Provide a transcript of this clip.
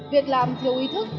việc làm thiếu ý thức